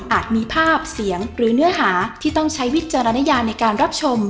มีภาพเสียงหรือเนื้อหาที่ต้องใช้วิจารณญาในการรับชม